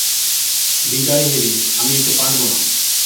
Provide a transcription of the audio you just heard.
বিদায় হ্যারি, আমি এটা পাবোনা।